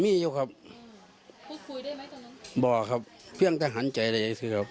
มีอยู่ครับบอกครับเพียงแต่หันใจเลยครับ